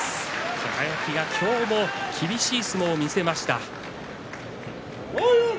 輝、今日も厳しい相撲を見せました。